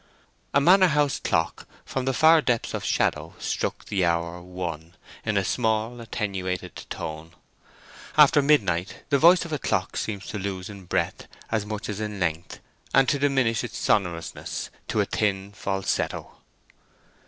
A manor house clock from the far depths of shadow struck the hour, one, in a small, attenuated tone. After midnight the voice of a clock seems to lose in breadth as much as in length, and to diminish its sonorousness to a thin falsetto.